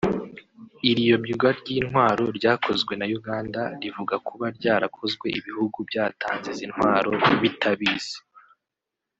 Iri yobywa ry’intwaro ryakozwe na Uganda rivuga kuba ryarakozwe ibihugu byatanze izi ntwaro bitabizi